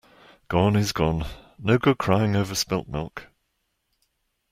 Gone is gone. No good in crying over spilt milk.